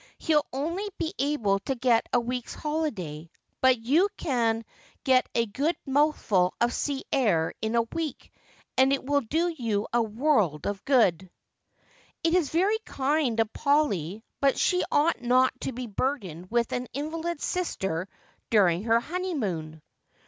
He'll only be able to get a week's holiday ; but 344 Just as I Am. you can get a good mouthful of sea air in a week, and it 'will do you a world of good.' ' It is very kind of Polly, but she ought not to be burdened with an invalid sister during her honeymoon.'